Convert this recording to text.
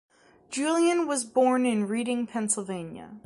Julian was born in Reading, Pennsylvania.